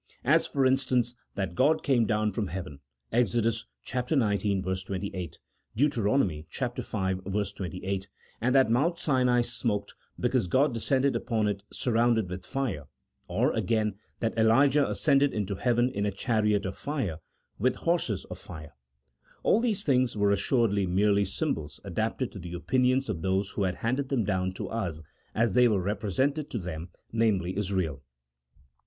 As, for instance, that God came down from heaven (Exod. xix. 28, Deut. v. 28), and that Mount Sinai smoked because God descended upon it surrounded with fire; or, again, that Elijah ascended into heaven in a chariot of fire, with horses of fire ; all these things were assuredly merely sym bols adapted to the opinions of those who have handed them down to us as they were represented to them, namely, as real.